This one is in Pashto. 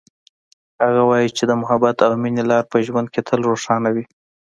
هغه وایي چې د محبت او مینې لار په ژوند کې تل روښانه وي